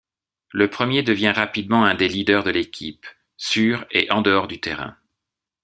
Le premier devient rapidement un des leaders de l'équipe, sur et en-dehors du terrain.